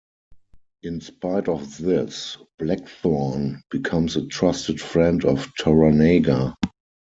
In spite of this, Blackthorne becomes a trusted friend of Toranaga.